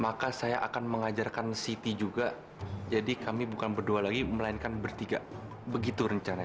maka saya akan mengajarkan siti juga jadi kami bukan berdua lagi melainkan bertiga begitu rencana